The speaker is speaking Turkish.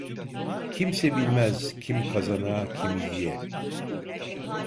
Kimse bilmez, kim kazana kim yiye.